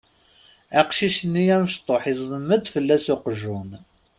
Aqcic-nni amecṭuḥ iẓeddem-d fell-as uqjun.